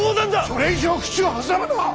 それ以上口を挟むな！